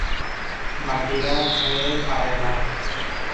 বাকিরা ভয়ে পারে না।